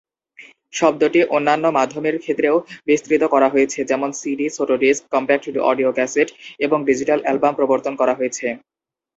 শব্দটি অন্যান্য মাধ্যমের ক্ষেত্রেও বিস্তৃত করা হয়েছে, যেমন সিডি, ছোট ডিস্ক, কপম্যাক্ট অডিও ক্যাসেট এবং ডিজিটাল এ্যালবাম প্রবর্তন করা হয়েছে।